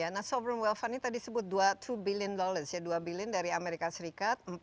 nah sovereign wealth ini tadi disebut dua billion dari amerika serikat